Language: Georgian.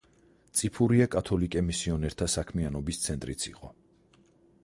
წიფურია კათოლიკე მისიონერთა საქმიანობის ცენტრიც იყო.